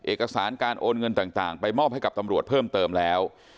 เอกสารการโอนเงินต่างไปมอบให้กับตำรวจเพิ่มเติมแล้ว